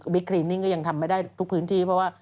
คลินิ่งก็ยังทำไม่ได้ทุกพื้นที่เพราะว่า